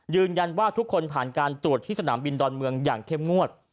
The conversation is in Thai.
ทุกคนผ่านการตรวจที่สนามบินดอนเมืองอย่างเข้มงวด